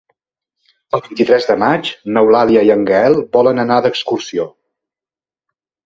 El vint-i-tres de maig n'Eulàlia i en Gaël volen anar d'excursió.